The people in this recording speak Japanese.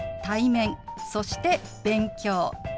「対面」そして「勉強」。